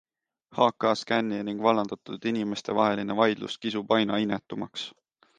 HKScani ning vallandatud inimeste vaheline vaidlus kisub aina inetumaks.